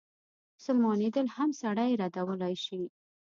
مسلمانېدل هم سړی ردولای شي.